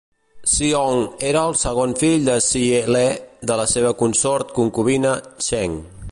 Shi Hong era el segon fill de Shi Le, de la seva consort concubina Cheng.